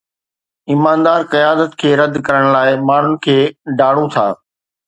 ايماندار قيادت کي رد ڪرڻ لاءِ ماڻهن کي ڊاڙون ٿا